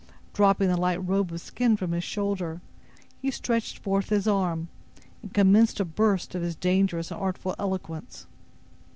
Dropping the light robe of skin from his shoulder, he stretched forth his arm, and commenced a burst of his dangerous and artful eloquence.